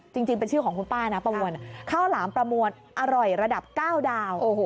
จริงเป็นชื่อของคุณป้านะประมวลข้าวหลามประมวลอร่อยระดับ๙ดาว